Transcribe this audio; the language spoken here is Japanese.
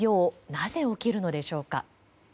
なぜ起きるのでしょうか。